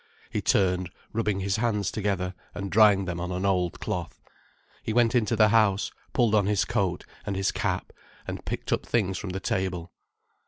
He turned, rubbing his hands together, and drying them on an old cloth. He went into the house, pulled on his coat and his cap, and picked up the things from the table.